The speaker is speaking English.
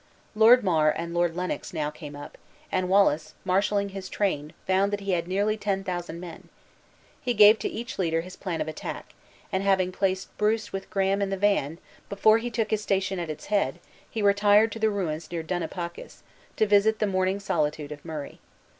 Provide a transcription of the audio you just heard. Lord Mar and Lord Lennox now came up; and Wallace, marshaling his train, found that he had nearly ten thousand men. He gave to each leader his plan of attack; and having placed Bruce with Graham in the van, before he took his station at its head, he retired to the ruins near Dunipacis, to visit the mourning solitude of Murray.